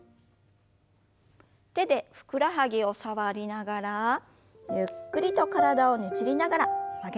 手でふくらはぎを触りながらゆっくりと体をねじりながら曲げましょう。